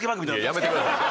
やめてください。